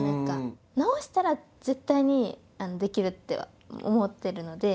治したら絶対にできるっては思ってるので。